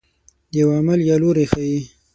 د یوه عمل یا لوری ښيي.